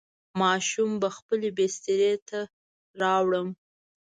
ماشوم به خپلې بسترې ته راوړم.